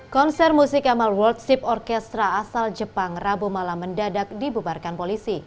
konser musik amal world ship orchestra asal jepang rabu malam mendadak dibubarkan polisi